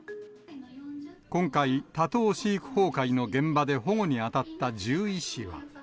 今回、多頭飼育崩壊の現場で保護に当たった獣医師は。